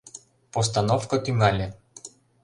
Постановко тӱҥале.